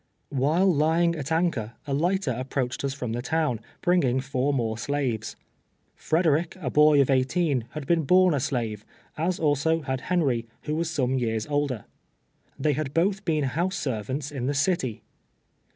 While lying at anchor, a lighter approached us from the town, bringing four more slaves. Frede rick, a boy of eighteen, had been born a slave, as also had Henry, who was some years older. They had both been house servants in the city.